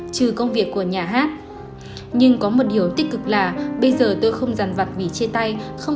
trừ công việc của nhà hát nhưng có một điều tích cực là bây giờ tôi không ràn vặt vì chia tay